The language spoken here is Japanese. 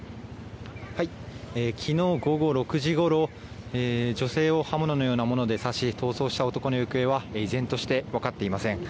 昨日午後６時ごろ女性を刃物のようなもので刺し逃走した男の行方は依然として分かっていません。